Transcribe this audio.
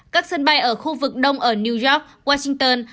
các sân bay ở khu vực đông ở new york washington